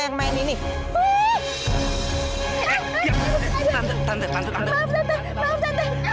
tante maaf tante aku gak sengaja